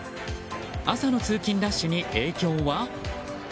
朝の通勤ラッシュに影響は？